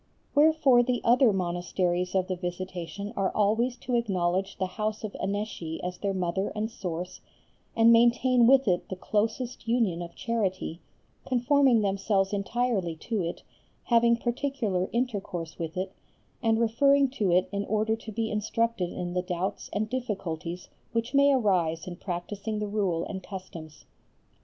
Wherefore the other monasteries of the Visitation are always to acknowledge the house of Annecy as their mother and source, and maintain with it the closest union of charity, conforming themselves entirely to it, having particular intercourse with it, and referring to it in order to be instructed in the doubts and difficulties which may arise in practising the Rule and Customs.